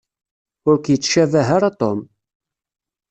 Ur k-yettcabah ara Tom.